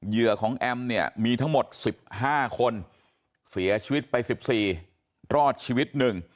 เหยื่อของแอมเนี่ยมีทั้งหมด๑๕คนเสียชีวิตไป๑๔รอดชีวิต๑